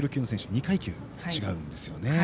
２階級違うんですよね。